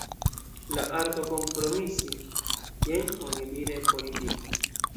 La arto kompromisi: jen – onidire – politiko.